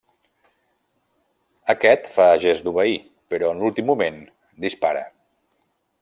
Aquest fa gest d'obeir, però en l'últim moment, dispara.